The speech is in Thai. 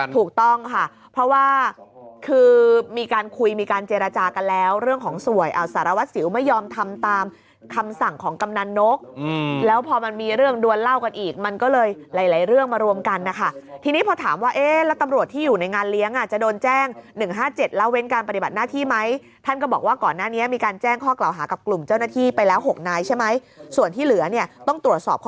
ถูกต้องค่ะเพราะว่าคือมีการคุยมีการเจรจากันแล้วเรื่องของสวยเอาสารวัตรสิวไม่ยอมทำตามคำสั่งของกำนันนกแล้วพอมันมีเรื่องด้วยเล่ากันอีกมันก็เลยหลายหลายเรื่องมารวมกันนะคะทีนี้พอถามว่าเอ๊ะแล้วกำรวจที่อยู่ในงานเลี้ยงอาจจะโดนแจ้ง๑๕๗แล้วเว้นการปฏิบัติหน้าที่ไหมท่านก็บอกว่าก่อนหน้านี้มีการแจ้ง